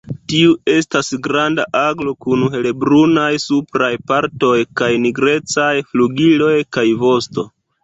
Tiu estas granda aglo kun helbrunaj supraj partoj kaj nigrecaj flugiloj kaj vosto.